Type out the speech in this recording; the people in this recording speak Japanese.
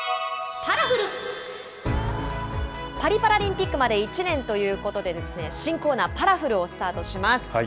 パリパラリンピックまで１年ということで、新コーナー、パラフルをスタートします。